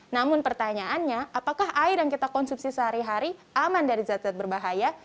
namun pertanyaannya apakah air yang kita konsumsi sehari hari aman dari zat zat berbahaya